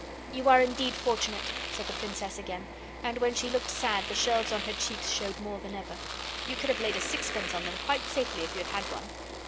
'You are indeed fortunate!' said the Princess again, and when she looked sad the shelves on her cheeks showed more than ever. You could have laid a sixpence on them quite safely if you had had one.